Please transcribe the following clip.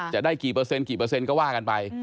จะได้กี่เปอร์เซนต์ก็ว่ากันไป